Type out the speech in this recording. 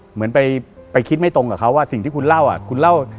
เหมือนไปคิดไม่ตรงกับเขาว่าสิ่งที่คุณเล่าอ่ะคุณเล่า